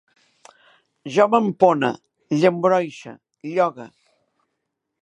Jo m'empone, llambroixe, llogue